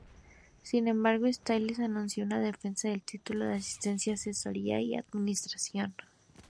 Sin embargo, Styles anunció una defensa del título en Asistencia Asesoría y Administración.